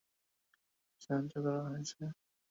সে আমার স্পনসর, সে-ই আমাকে সাহায্য করা করছে।